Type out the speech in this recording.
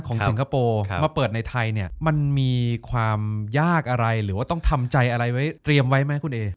สิงคโปร์มาเปิดในไทยเนี่ยมันมีความยากอะไรหรือว่าต้องทำใจอะไรไว้เตรียมไว้ไหมคุณเอ